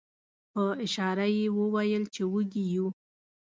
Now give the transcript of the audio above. په اشاره یې وویل چې وږي یو.